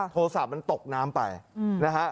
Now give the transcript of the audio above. โทรศัพท์มันตกน้ำไปนะฮะ